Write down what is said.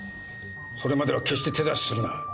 それまでは決して手出しするな。